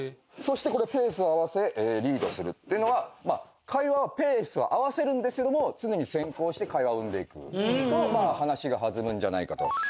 そしてこれペースを合わせリードするっていうのは会話ペースは合わせるんですけども常に先行して会話を生んでいくと話が弾むんじゃないかと。